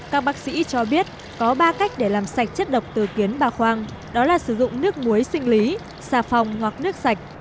các bác sĩ cho biết có ba cách để làm sạch chất độc từ kiến ba khoang đó là sử dụng nước muối sinh lý xà phòng hoặc nước sạch